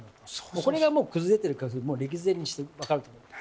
これがもう崩れてるか歴然にして分かると思います。